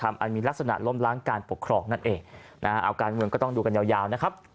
การกระทำอันมีลักษณะล้มล้างการปกครองนั่นเองเอาการเงินก็ต้องดูกันยาวนะครับ